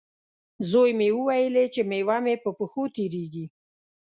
زوی مې وویلې، چې میوه مې په پښو تېرېږي.